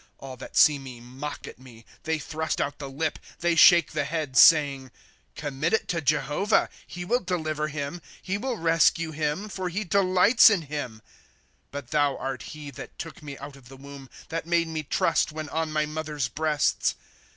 ' All that see me mock at me ; They thrust out the lip, they shake the head [saying] ;^ Commit it to Jehovah, he wil! deliver liim ; He will rescue liim, for he delights in him. " But tliou art ho that took me out of the womb, That made me trust, when on my mother's breasts.